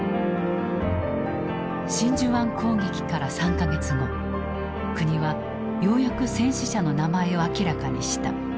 真珠湾攻撃から３か月後国はようやく戦死者の名前を明らかにした。